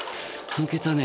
抜けたね。